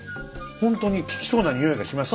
ほんとに効きそうな匂いがします。